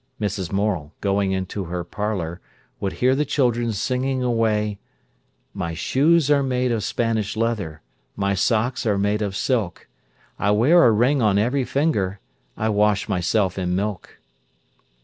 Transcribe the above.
Mrs. Morel, going into her parlour, would hear the children singing away: "My shoes are made of Spanish leather, My socks are made of silk; I wear a ring on every finger, I wash myself in milk."